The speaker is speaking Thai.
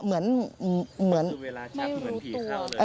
เหมือนไม่รู้ตัวคือเวลาชักเหมือนผีเข้าเลย